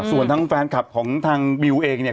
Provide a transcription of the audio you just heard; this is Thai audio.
ส่วนทางแฟนคลับของทางบิวเองเนี่ย